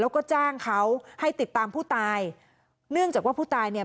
แล้วก็จ้างเขาให้ติดตามผู้ตายเนื่องจากว่าผู้ตายเนี่ย